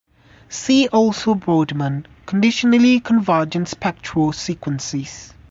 See also Boardman, Conditionally Convergent Spectral Sequences.